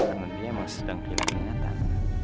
dan dia masih sedang pilih penyataan